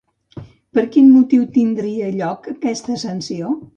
Per quin motiu tindria lloc aquesta sanció?